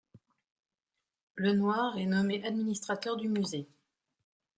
Lenoir est nommé administrateur du musée.